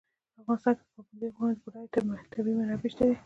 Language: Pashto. په افغانستان کې د پابندي غرونو بډایه طبیعي منابع شته دي.